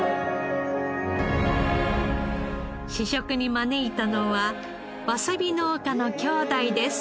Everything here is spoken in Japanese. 試食に招いたのはわさび農家の兄弟です。